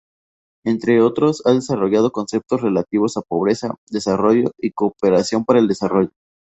Entre otros, ha desarrollado conceptos relativos a pobreza, desarrollo y cooperación para el desarrollo.